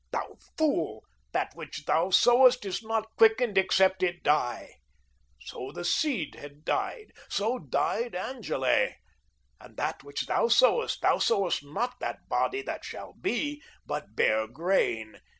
Thou fool, that which thou sowest is not quickened except it die. So the seed had died. So died Angele. And that which thou sowest, thou sowest not that body that shall be, but bare grain.